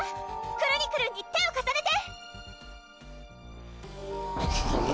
クルニクルンに手を重ねて！